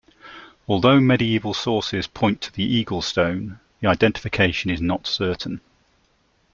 Although medieval sources point to the eagle-stone, the identification is not certain.